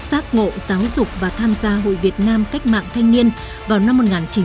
giác ngộ giáo dục và tham gia hội việt nam cách mạng thanh niên vào năm một nghìn chín trăm bốn mươi năm